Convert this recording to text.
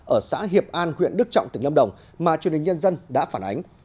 ở xã hiệp an huyện đức trọng tỉnh lâm đồng mà truyền hình nhân dân đã phản ánh